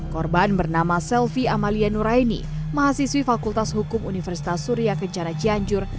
korban bernama selvi amalia nuraini mahasiswi fakultas hukum universitas surya kencana cianjur